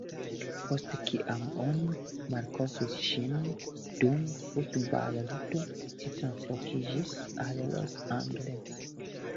Post kiam oni malkovris ŝin dum futbal-ludo, ŝi translokiĝis al Los Angeles.